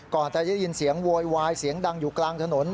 ก่อนจะได้ยินเสียงโวยวายเสียงดังอยู่กลางถนน